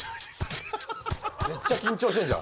めっちゃ緊張してんじゃん。